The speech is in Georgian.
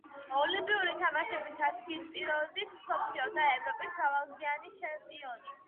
ოლიმპიური თამაშების ათგზის პრიზიორი, მსოფლიო და ევროპის მრავალგზის ჩემპიონი.